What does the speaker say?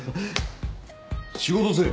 仕事せい。